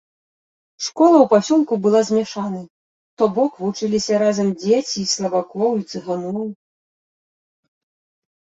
Школа ў пасёлку была змяшанай, то бок вучыліся разам дзеці і славакаў, і цыганоў.